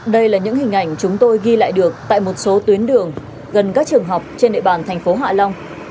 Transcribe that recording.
đây là những hình ảnh chúng tôi ghi lại được tại một số tuyến đường gần các trường học trên địa bàn thành phố hạ long